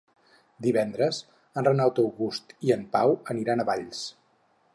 Divendres en Renat August i en Pau aniran a Valls.